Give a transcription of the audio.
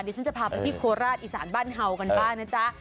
เดี๋ยวฉันจะพาไปที่โคราชอีสานบ้านเห่ากันบ้างนะจ๊ะ